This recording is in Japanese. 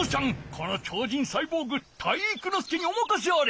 この超人サイボーグ体育ノ介におまかせあれ！